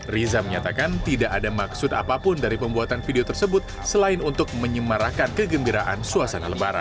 riza menyatakan tidak ada maksud apapun dari pembuatan video tersebut selain untuk menyemarakan kegembiraan suasana lebaran